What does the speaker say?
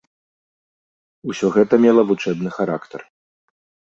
Усё гэта мела вучэбны характар.